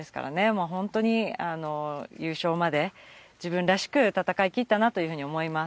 もう本当に優勝まで自分らしく戦い切ったなというふうに思います。